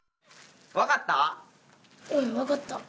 わかった？